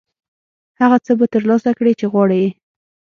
هغه څه به ترلاسه کړې چې غواړې یې.